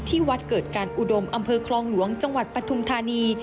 ที่วัดเกิดการอุดมอำเภอคลองหลวงจังหวัดปฐุมธานี